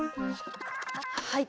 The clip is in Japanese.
はい。